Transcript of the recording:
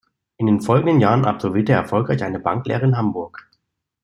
In den folgenden Jahren absolvierte er erfolgreich eine Banklehre in Hamburg.